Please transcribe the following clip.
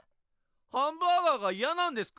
ハンバーガーが嫌なんですか？